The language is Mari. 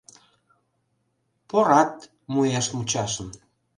«Порат» муэш мучашым.